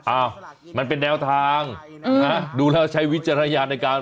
อ้าวมันเป็นแนวทางนะดูแล้วใช้วิจารณญาณในการ